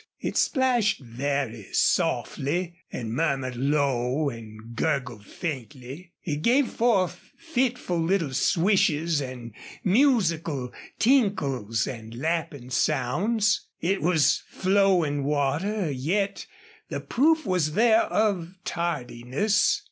It splashed very softly and murmured low and gurgled faintly. It gave forth fitful little swishes and musical tinkles and lapping sounds. It was flowing water, yet the proof was there of tardiness.